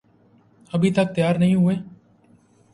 ابھی تک تیار نہیں ہوئیں؟